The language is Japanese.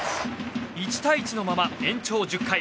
１対１のまま、延長１０回。